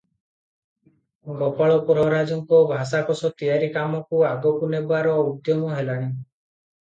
ଗୋପାଳ ପ୍ରହରାଜଙ୍କ ଭାଷାକୋଷ ତିଆରି କାମକୁ ଆଗକୁ ନେବାର ଉଦ୍ୟମ ହେଲାଣି ।